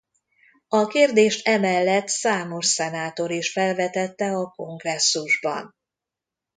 A kérdést emellett számos szenátor is felvetette a Kongresszusban.